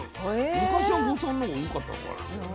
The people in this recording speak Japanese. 昔は国産のほうが多かったのかな？